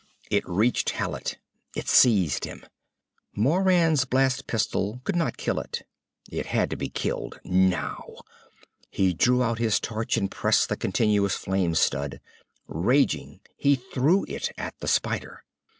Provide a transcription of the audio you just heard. It reached Hallet. It seized him. Moran's blast pistol could not kill it. It had to be killed. Now! He drew out his torch and pressed the continuous flame stud. Raging, he threw it at the spider.